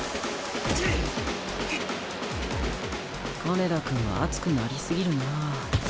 金田君は熱くなり過ぎるなあ。